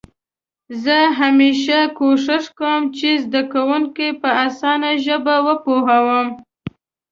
زه همېشه کوښښ کوم چې زده کونکي په ساده ژبه وپوهوم.